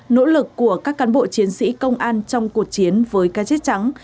nỗ lực của các cán bộ chiến sĩ công an trong cuộc chiến với ca chết trắng